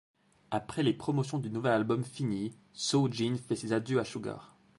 Après les promotions du nouvel album finies, Soo Jin fait ses adieux à Sugar.